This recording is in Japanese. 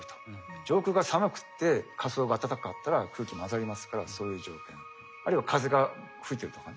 上空が寒くて下層が暖かかったら空気混ざりますからそういう条件。あるいは風が吹いてるとかね。